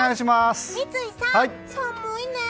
三井さん、寒いね。